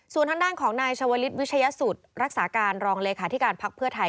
ส่วนทางด้านของนายชาวลิศวิชยสุทธิ์รักษาการรองเลขาธิการพักเพื่อไทย